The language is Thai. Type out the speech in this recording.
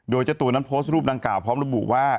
โดยเจ้าตัวนั้นโพสต์รูปดังกล่าวพร้อมระบุว่า